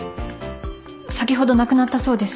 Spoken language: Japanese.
先ほど亡くなったそうです